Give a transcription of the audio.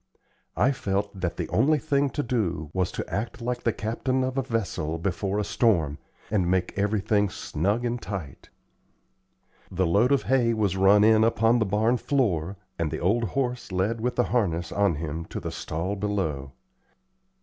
I felt that the only thing to do was to act like the captain of a vessel before a storm, and make everything "snug and tight." The load of hay was run in upon the barn floor, and the old horse led with the harness on him to the stall below.